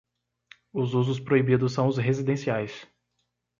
Os usos proibidos são os residenciais.